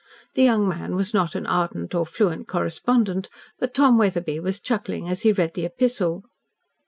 The young man was not an ardent or fluent correspondent; but Tom Wetherbee was chuckling as he read the epistle.